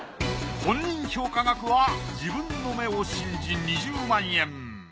本人評価額は自分の目を信じ２０万円。